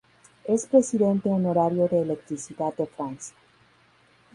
Es Presidente honorario de "Electricidad de Francia".